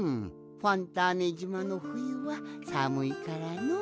ファンターネじまのふゆはさむいからのう。